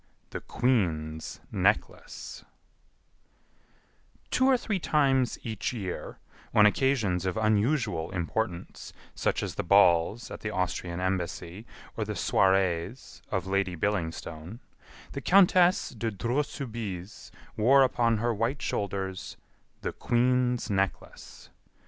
The Queen's Necklace Two or three times each year, on occasions of unusual importance, such as the balls at the Austrian Embassy or the soirées of Lady Billingstone, the Countess de Dreux Soubise wore upon her white shoulders "The Queen's Necklace."